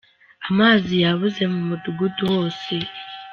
Amazi yabuze mumudugudu wose.